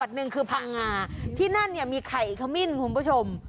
หนึ่งคือพังงาที่นั่นเนี่ยมีไข่ขมิ้นคุณผู้ชม